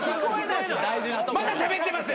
まだしゃべってます